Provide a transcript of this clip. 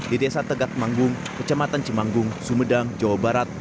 di desa tegak manggung kecamatan cimanggung sumedang jawa barat